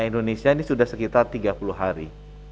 indonesia ini sudah sekitar tiga puluh hari